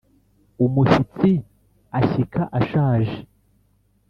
umushyitsi ashyika ashaje